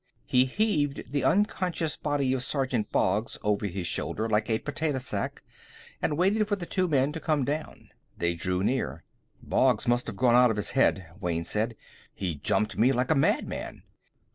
He heaved the unconscious body of Sergeant Boggs over his shoulder like a potato sack, and waited for the two men to come down. They drew near. "Boggs must have gone out of his head," Wayne said. "He jumped me like a madman."